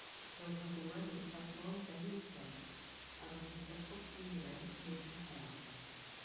Però us recomano que el feu amb pèsol fresc: el resultat que obtindreu no és comparable.